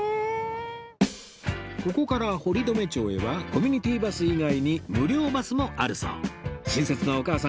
ここから堀留町へはコミュニティバス以外に無料バスもあるそう